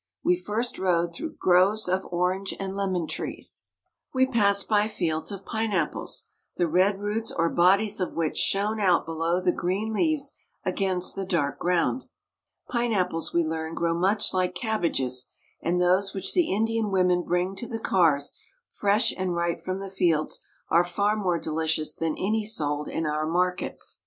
We first rode through groves of orange and lemon trees. We passed by fields of pineapples, the red roots or bodies of which shone out below the green leaves against the dark ground. Pineapples, we learn, grow much like cabbages, and those which the Indian women bring to the cars, fresh and ripe from the fields, are far more delicious than any sold in our markets.